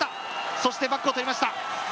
そしてバックをとりました。